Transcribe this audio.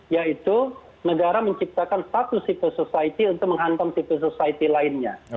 yaitu negara menciptakan status civil society untuk menghantam civil society lainnya